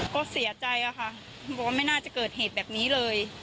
ก็เสียใจอะค่ะบอกว่าไม่น่าจะเกิดเหตุแบบนี้เลย